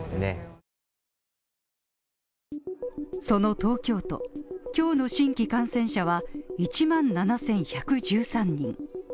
その東京都、今日の新規感染者は１万７１１３人。